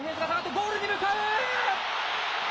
ゴールに向かう！